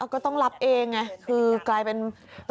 ก็ต้องรับเองไงคือกลายเป็นตัวตัวตัว